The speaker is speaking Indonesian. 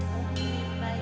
umi baik monatnya